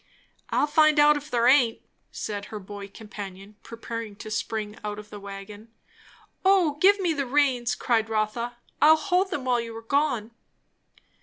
"I'll find out if there aint," said her boy companion, preparing to spring out of the wagon. "O give me the reins!" cried Rotha. "I'll hold them while you are gone."